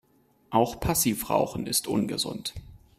Auch Passivrauchen ist ungesund.